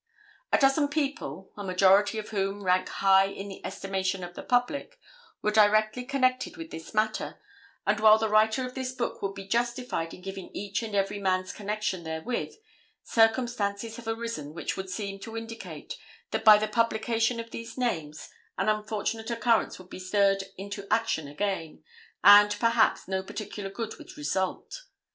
A dozen people, a majority of whom rank high in the estimation of the public were directly connected with this matter and while the writer of this book would be justified in giving each and every man's connection therewith, circumstances have arisen which would seem to indicate that by the publication of these names, an unfortunate occurrence would be stirred into action again, and perhaps no particular good would result.